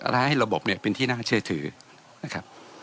ให้ระบบเนี่ยเป็นที่น่าเชื่อถือนะครับ